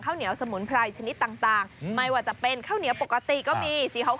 ข้าวเหนียวดำก็มี